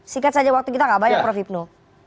singkat saja waktu kita nggak banyak prof hipno